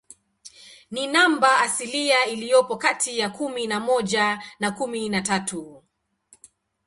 Ni namba asilia iliyopo kati ya kumi na moja na kumi na tatu.